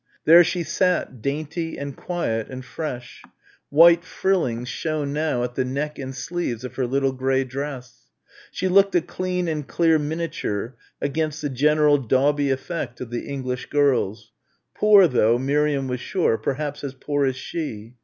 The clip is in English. There she sat, dainty and quiet and fresh. White frillings shone now at the neck and sleeves of her little grey dress. She looked a clean and clear miniature against the general dauby effect of the English girls poor though, Miriam was sure; perhaps as poor as she.